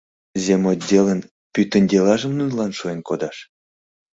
— Земотделын пӱтынь делажым нунылан шуэн кодаш?